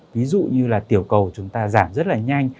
ví dụ như là tiểu cầu chúng ta giảm rất là nhanh